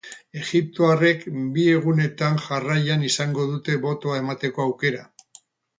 Egiptoarrek bi egunetan jarraian izango dute botoa emateko aukera.